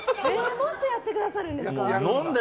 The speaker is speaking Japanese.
もっとやってくださるんですか？